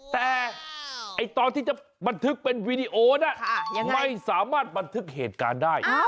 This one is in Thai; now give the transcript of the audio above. แต่ตอนที่จะบันทึกเป็นวีดีโอน่ะไม่สามารถบันทึกเหตุการณ์ได้